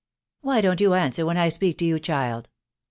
" Why don't you answer when I speak to you, child